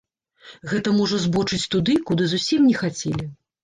Гэта можа збочыць туды, куды зусім не хацелі.